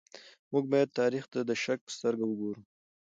موږ بايد تاريخ ته د شک په سترګه وګورو.